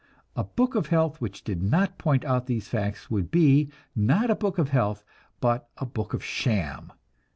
A book of health which did not point out these facts would be, not a book of health, but a book of sham.